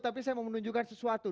tapi saya mau menunjukkan sesuatu